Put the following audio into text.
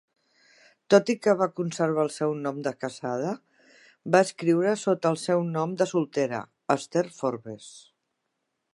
Tot i que va conservar el seu nom de casada, va escriure sota el seu nom de soltera, Esther Forbes.